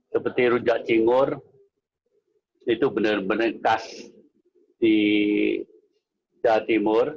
seperti rujak cingur itu benar benar khas di jawa timur